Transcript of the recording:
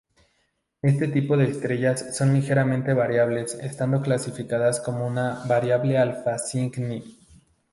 Este tipo de estrellas son ligeramente variables, estando clasificada como una variable Alfa Cygni.